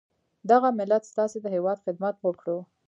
دغه ملت ستاسي د هیواد خدمت وکړو.